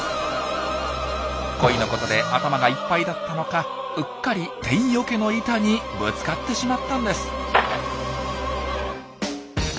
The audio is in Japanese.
恋のことで頭がいっぱいだったのかうっかりテンよけの板にぶつかってしまったんです。